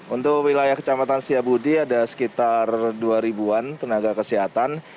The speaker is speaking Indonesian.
untuk wilayah kecamatan setiabudi ada sekitar dua ribu an tenaga kesehatan